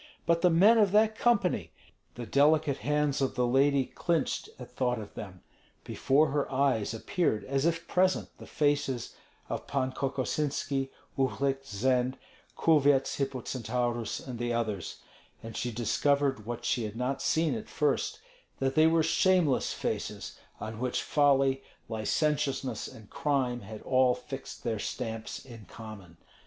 But the men of that company! The delicate hands of the lady clinched at thought of them. Before her eyes appeared as if present the faces of Pan Kokosinski, Uhlik, Zend, Kulvyets Hippocentaurus, and the others; and she discovered what she had not seen at first, that they were shameless faces, on which folly, licentiousness, and crime had all fixed their stamps in common.